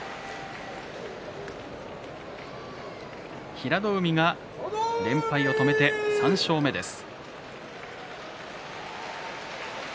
平戸海が連敗を止めて３勝目です。